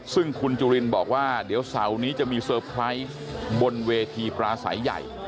ซึ่งคุณจุลินบอกว่าเดี๋ยวเสาร์นี้จะมีเซอร์ไพรส์บนเวทีปราศัยใหญ่